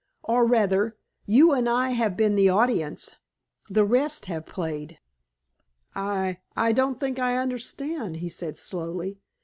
"Or rather, you and I have been the audience. The rest have played." "I I don't think I understand," he said slowly.